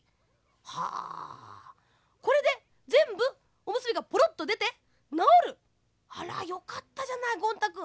はあこれでぜんぶおむすびがポロッとでてなおる？あらよかったじゃないゴン太くん。